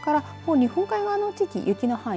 日本海側の地域雪の範囲